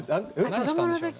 何したんでしょうね。